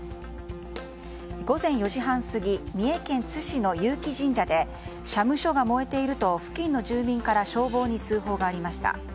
午前４時半過ぎ三重県津市の結城神社で社務所が燃えていると付近の住民から消防に通報がありました。